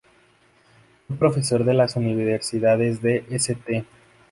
Fue profesor en las universidades de St.